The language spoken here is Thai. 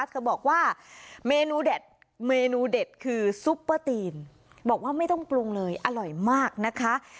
เธอบอกว่าเมนูเด็ดเมนูเด็ดคือซุปเปอร์ตีนบอกว่าไม่ต้องปรุงเลยอร่อยมากนะคะ